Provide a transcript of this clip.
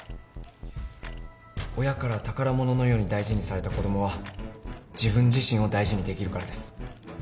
親から宝物のように大事にされた子供は自分自身を大事にできるからです。